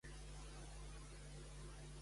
Qui es va anomenar igual que ell?